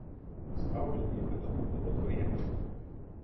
Стаўленне, вядома, было дваякім.